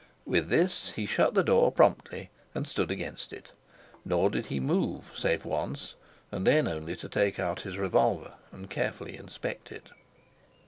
With this he shut the door promptly, and stood against it. Nor did he move, save once, and then only to take out his revolver and carefully inspect it.